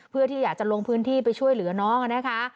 เพื่อที่อยากจะลงพื้นที่ไปช่วยเหลือน้องนะคะ